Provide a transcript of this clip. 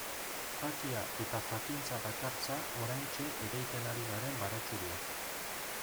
Jakia eta jakintza dakartza oraintxe ereiten ari garen baratxuriak.